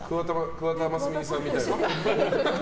桑田真澄さんみたいな。